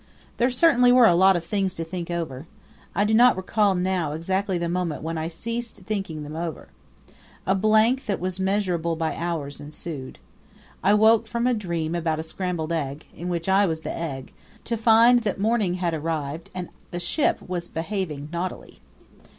There certainly were a lot of things to think over. I do not recall now exactly the moment when I ceased thinking them over. A blank that was measurable by hours ensued. I woke from a dream about a scrambled egg, in which I was the egg, to find that morning had arrived and the ship was behaving naughtily.